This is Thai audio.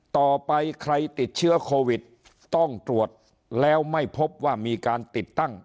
ต่อไปใครติดเชื้อโควิดต้องตรวจแล้วไม่พบว่ามีการติดตั้ง